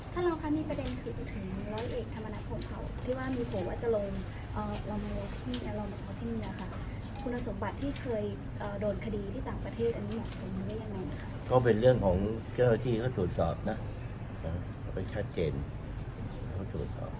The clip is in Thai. ถ้าลองถามประเด็นภาษาบ้านช่วงนี้มันกลับมาถึงแล้วที่ยาลา